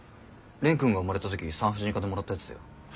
蓮くんが生まれた時産婦人科でもらったやつだよ。